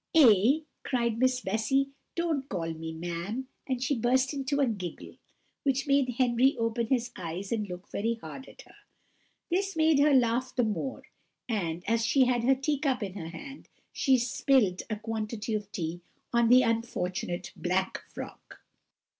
"Eh?" cried Miss Bessy, "don't call me ma'am;" and she burst into a giggle, which made Henry open his eyes and look very hard at her. This made her laugh the more; and, as she had her teacup in her hand, she spilt a quantity of tea on the unfortunate black frock.